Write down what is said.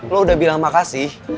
lo udah bilang makasih